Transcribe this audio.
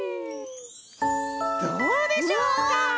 どうでしょうか！？